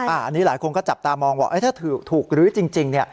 อันนี้หลายคนก็จับตามองว่าถ้าถูกรื้อจริงเนี่ย